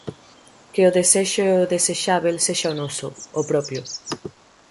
Que o desexo e o desexábel sexa o noso, o propio.